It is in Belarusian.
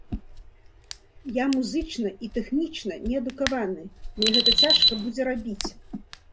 Я музычна і тэхнічна неадукаваны, мне гэта цяжка будзе рабіць.